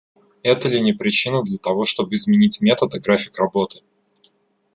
Это ли не причина для того, чтобы изменить метод и график работы?